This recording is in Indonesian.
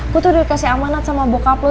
gue tuh udah kasih amanat sama bokap lo